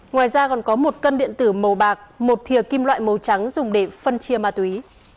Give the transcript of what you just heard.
ngoài ra còn có một cân điện tử màu bạc một thia kim loại màu trắng dùng để phân chia ma túy